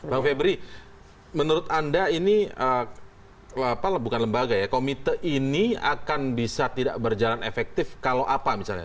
bang febri menurut anda ini bukan lembaga ya komite ini akan bisa tidak berjalan efektif kalau apa misalnya